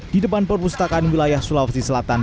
di depan perpustakaan wilayah sulawesi selatan